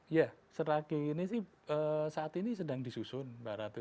iya sejauh ini sih saat ini sedang disusun pak ratu